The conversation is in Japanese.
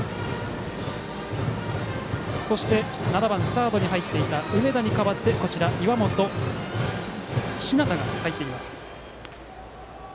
そして、７番サードに入っていた梅田に代わって岩本陽向が入っています。